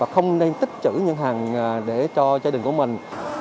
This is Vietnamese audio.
khách hàng để cho gia đình của mình